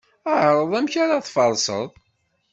Ԑreḍ amek ara tfarseḍ.